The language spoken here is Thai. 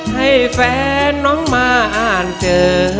ให้แฟนน้องมาอ่านเจอ